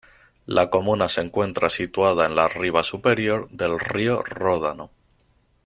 La comuna se encuentra situada en la riva superior del río Ródano.